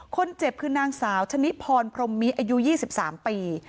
คนเจ็บคือนางสาวชนิพรพรมมิอายุยี่สิบสามปี